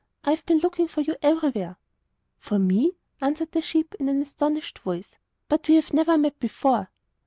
I have been looking for you everywhere.' 'For ME?' answered the sheep, in an astonished voice; 'but we have never met before!